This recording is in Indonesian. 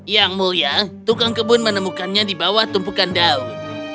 yang mulia tukang kebun menemukannya di bawah tumpukan daun